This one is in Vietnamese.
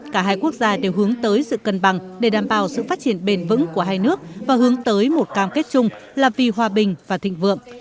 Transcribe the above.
cả hai quốc gia đều hướng tới sự cân bằng để đảm bảo sự phát triển bền vững của hai nước và hướng tới một cam kết chung là vì hòa bình và thịnh vượng